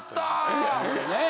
ねえ。